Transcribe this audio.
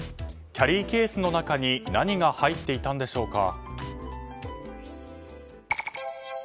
キャリーケースの中に何が入っていたんでしょうか。